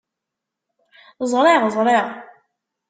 Zriɣ…Zriɣ…